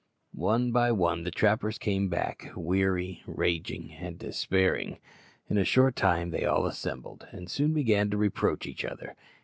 One by one the trappers came back weary, raging, and despairing. In a short time they all assembled, and soon began to reproach each other.